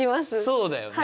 そうだよね。